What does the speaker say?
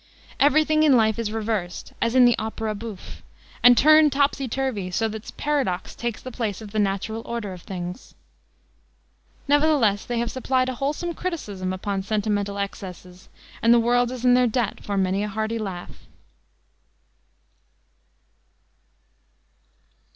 Everything in life is reversed, as in opera bouffe, and turned topsy turvy, so that paradox takes the place of the natural order of things. Nevertheless they have supplied a wholesome criticism upon sentimental excesses, and the world is in their debt for many a hearty laugh.